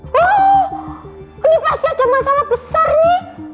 bu ini pasti ada masalah besar nih